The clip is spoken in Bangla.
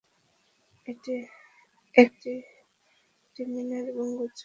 এটির একটি মিনার এবং গম্বুজ রয়েছে।